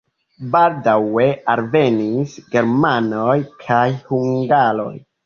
Baldaŭe alvenis germanoj kaj hungaroj.